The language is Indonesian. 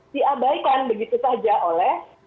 diabaikan begitu saja oleh